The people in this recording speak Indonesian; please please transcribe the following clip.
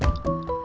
ya udah deh